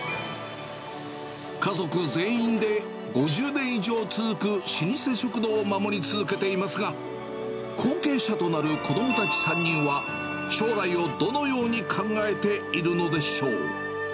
家族全員で５０年以上続く老舗食堂を守り続けていますが、後継者となる子どもたち３人は、将来をどのように考えているのでしょう。